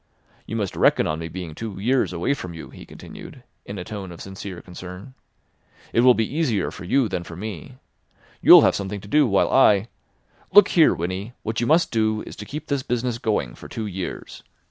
You must reckon on me being two years away from you," he continued, in a tone of sincere concern. "It will be easier for you than for me. You'll have something to do, while I—Look here, Winnie, what you must do is to keep this business going for two years.